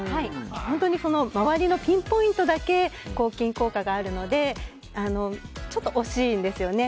本当に周りのピンポイントだけ抗菌効果があるのでちょっと惜しいんですよね。